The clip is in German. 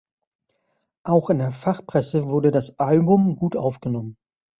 Auch in der Fachpresse wurde das Album gut aufgenommen.